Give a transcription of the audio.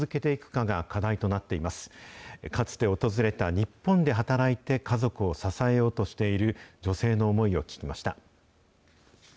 かつて訪れた日本で働いて家族を支えようとしている女性の思いを聞きました。